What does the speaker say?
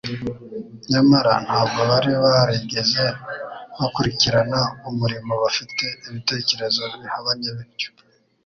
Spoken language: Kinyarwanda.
Nyamara ntabwo bari barigeze bakurikirana umurimo bafite ibitekerezo bihabanye bityo.